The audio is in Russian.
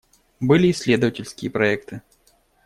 Были исследовательские проекты.